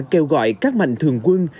kêu gọi các mạnh thường quân